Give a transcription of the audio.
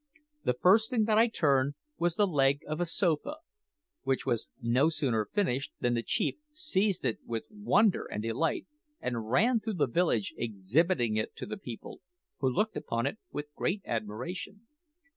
The first thing that I turned was the leg of a sofa, which was no sooner finished than the chief seized it with wonder and delight, and ran through the village exhibiting it to the people, who looked upon it with great admiration.